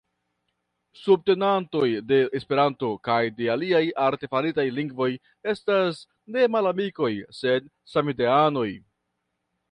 Subtenantoj de Esperanto kaj de aliaj artefaritaj lingvoj estas ne malamikoj, sed samideanoj.